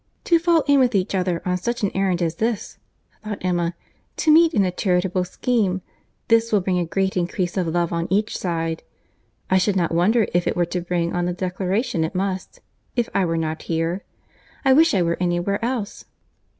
"To fall in with each other on such an errand as this," thought Emma; "to meet in a charitable scheme; this will bring a great increase of love on each side. I should not wonder if it were to bring on the declaration. It must, if I were not here. I wish I were anywhere else."